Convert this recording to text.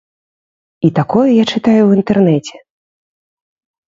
І такое я чытаю ў інтэрнэце!